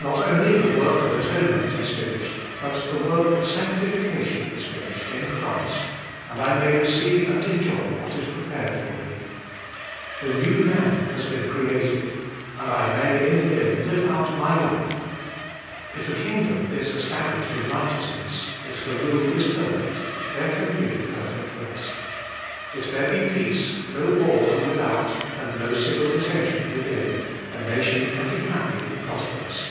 Not only the work of atonement is finished, but the work of sanctification is finished in Christ, and I may receive and enjoy what is pre pared for me. The new man has been created, and I may in Him live out my life ; if a kingdom is es tablished in righteousness, if the rule is perfect, there can be perfect rest. If there be peace, no war from without, and no civil dissension within, a nation can be happy and prosperous.